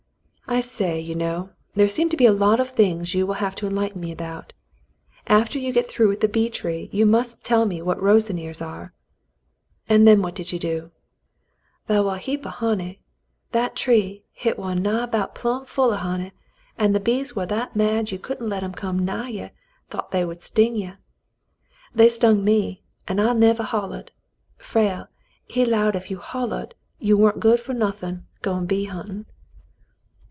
"I say, you know. There seem to be a lot of things you will have to enlighten me about. After you get through with the bee tree you must tell me what * ros'n ears' are. And then what did you do .^" "Thar war a heap o' honey. That tree, hit war nigh about plumb full o' honey, and th' bees war that mad you couldn't let 'em come nigh ye 'thout they'd sting you. They stung me, an' I nevah hollered. Frale, he 'lowed ef you hollered, you wa'n't good fer nothin', goin' bee hunt'n'.'